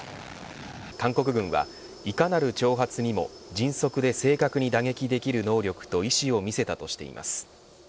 韓国軍は、いかなる挑発にも迅速で正確に打撃できる能力と意思を見せたとしています。